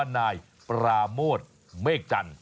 นายปราโมทเมฆจันทร์